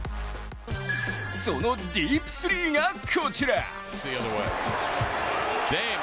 そのディープスリーが、こちら。